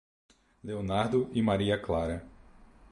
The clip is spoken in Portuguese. Leonardo e Maria Clara